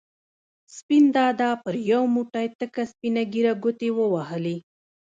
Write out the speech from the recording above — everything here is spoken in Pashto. سپین دادا پر یو موټی تکه سپینه ږېره ګوتې ووهلې.